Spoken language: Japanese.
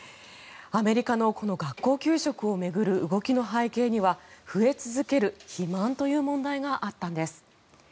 アメリカの学校給食を巡る動きの背景には増え続ける肥満という問題があったんです。